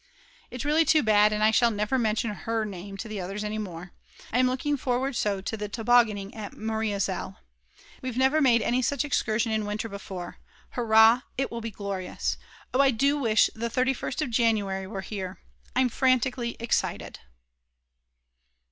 It's really too bad, and I shall never mention her name to the others any more. I am looking forward so to the tobogganing at Mariazell. We've never made any such excursion in winter before. Hurrah, it will be glorious! Oh I do wish the 31st of January were here; I'm frantically excited.